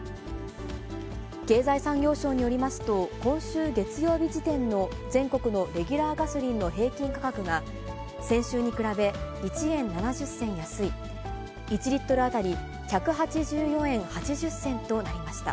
経済産業省によりますと、今週月曜日時点の全国のレギュラーガソリンの平均価格が、先週に比べ、１円７０銭安い、１リットル当たり１８４円８０銭となりました。